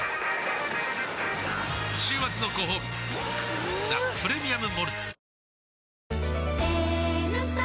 週末のごほうび「ザ・プレミアム・モルツ」